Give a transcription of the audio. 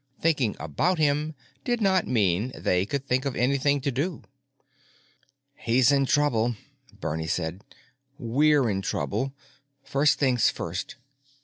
Thinking about him did not mean they could think of anything to do. "He's in trouble," Bernie said. "We're in trouble. First things first."